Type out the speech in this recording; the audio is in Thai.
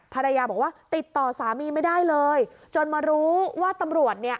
ภรรยาบอกว่าติดต่อสามีไม่ได้เลยจนมารู้ว่าตำรวจเนี่ย